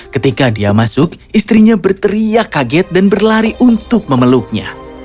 ketika dia masuk istrinya berteriak kaget dan berlari untuk memeluknya